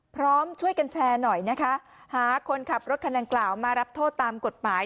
พร้อมช่วยกันแชร์หน่อยนะคะหาคนขับรถคันดังกล่าวมารับโทษตามกฎหมาย